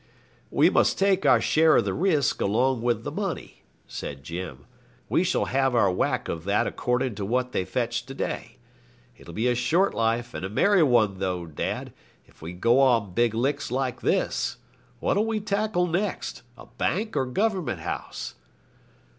'We must take our share of the risk along with the money,' said Jim. 'We shall have our whack of that according to what they fetched to day. It'll be a short life and a merry one, though, dad, if we go on big licks like this. What'll we tackle next a bank or Government House?'